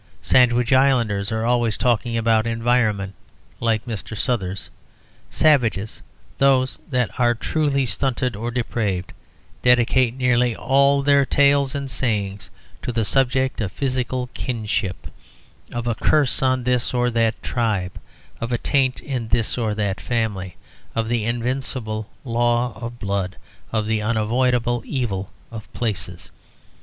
Sandwich Islanders are always talking about environment, like Mr. Suthers. Savages those that are truly stunted or depraved dedicate nearly all their tales and sayings to the subject of physical kinship, of a curse on this or that tribe, of a taint in this or that family, of the invincible law of blood, of the unavoidable evil of places.